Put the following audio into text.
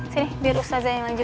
sini biar ustazah yang lanjut